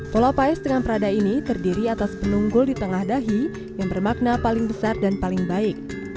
pola paes dengan prada ini terdiri atas penunggul di tengah dahi yang bermakna paling besar dan paling baik